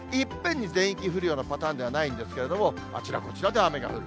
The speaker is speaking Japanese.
いっぺんに全域降るようなパターンではないんですけれども、あちらこちらで雨が降る。